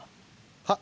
はっ。